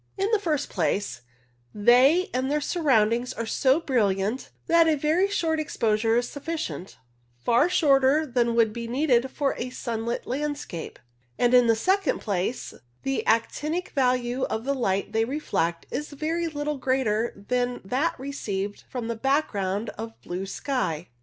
In the first place, they and their surroundings are so brilliant that a very short ex posure is sufficient, far shorter than would be needed for a sunlit landscape ; and in the second place, the actinic value of the light they reflect is very little greater than that received from the background of blue sky.